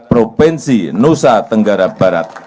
provinsi nusa tenggara barat